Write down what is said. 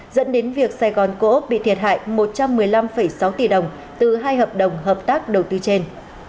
dẫn đến việc sài gòn cổ úc bị thiệt hại một trăm một mươi năm sáu tỷ đồng từ hai hợp đồng hợp tác đầu tư trên